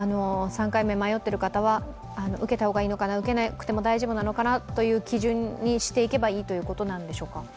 こういった方々から３回目迷っている方は、受けた方がいいのかな、受けなくても大丈夫なのかなという基準にしていけばいいということなんでしょうか？